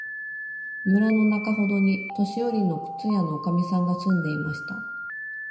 村のなかほどに、年よりの靴屋のおかみさんが住んでいました。